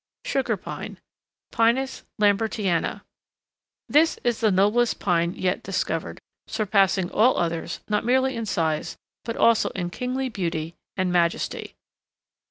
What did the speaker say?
SUGAR PINE (Pinus Lambertiana) This is the noblest pine yet discovered, surpassing all others not merely in size but also in kingly beauty and majesty.